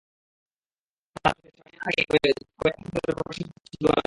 তার পাশে শামিয়ানা টাঙিয়ে কয়েক মাস ধরে প্রকাশ্যে চলছে জুয়ার আসর।